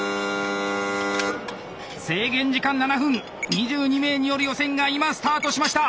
制限時間７分２２名による予選が今スタートしました！